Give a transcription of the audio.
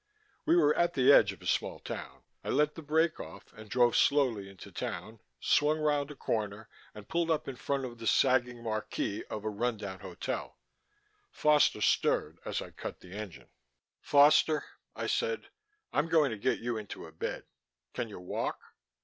We were at the edge of a small town. I let the brake off and drove slowly into town, swung around a corner and pulled up in front of the sagging marquee of a run down hotel. Foster stirred as I cut the engine. "Foster," I said. "I'm going to get you into a bed. Can you walk?"